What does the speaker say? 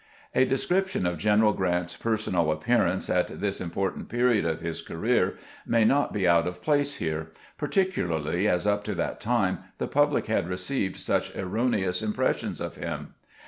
A description of General Grant's personal appearance at this important period of his career may not be out of place here, particularly as up to that time the public had received such erroneous impressions of him.